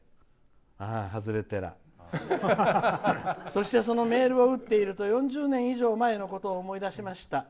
そしてそのメールを打っていると４０年ほど前を思い出しました。